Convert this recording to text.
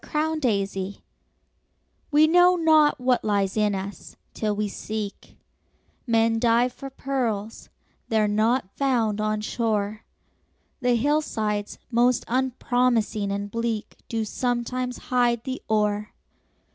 HIDDEN GEMS We know not what lies in us, till we seek; Men dive for pearls—they are not found on shore, The hillsides most unpromising and bleak Do sometimes hide the ore.